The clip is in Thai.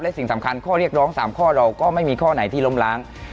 และสิ่งสำคัญข้อเรียกร้อง๓ข้อเราก็ไม่มีข้อไหนที่ล้มล้าง